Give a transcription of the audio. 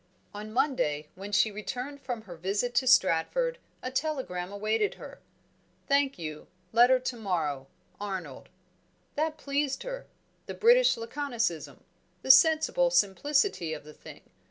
On Monday, when she returned from her visit to Stratford, a telegram awaited her. "Thank you, letter tomorrow, Arnold." That pleased her; the British laconicism; the sensible simplicity of the thing!